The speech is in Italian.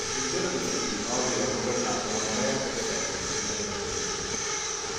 L'Impero bizantino aveva governato la Morea per secoli prima della ribellione.